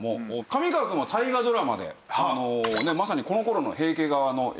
上川くんは大河ドラマでまさにこの頃の平家側の役を。